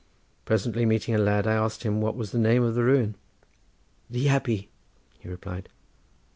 Presently meeting a lad, I asked him what was the name of the ruin. "The Abbey," he replied.